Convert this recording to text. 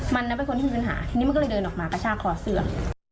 มันเป็นคนที่มีปัญหาทีนี้มันก็เลยเดินออกมากระชากคอเสื้อ